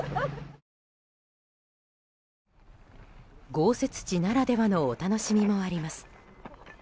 豪雪地ならではのお楽しみもあります。